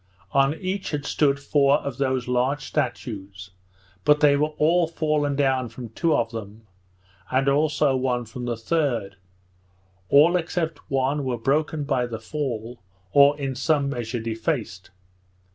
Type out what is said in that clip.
On each had stood four of those large statues, but they were all fallen down from two of them, and also one from the third; all except one were broken by the fall, or in some measure defaced.